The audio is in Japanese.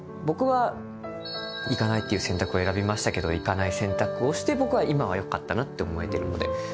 僕は行かないっていう選択を選びましたけど行かない選択をして僕は今はよかったなって思えてるので。